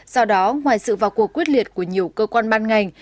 do đó ngoài sự vào cuộc quyết liệt của nhiều cơ quan ban ngành